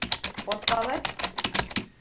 От пале?